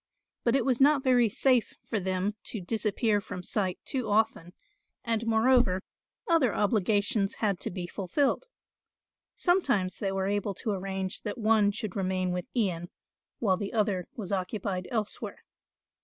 But it was not very safe for them to disappear from sight too often and moreover, other obligations had to be fulfilled. Sometimes they were able to arrange that one should remain with Ian while the other was occupied elsewhere.